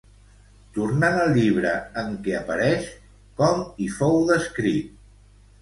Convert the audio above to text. Tornant al llibre en què apareix, com hi fou descrit?